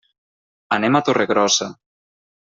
Anem a Torregrossa.